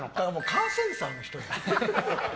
カーセンサーの人やん。